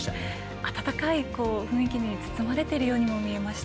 温かい雰囲気に包まれているようにも見えました。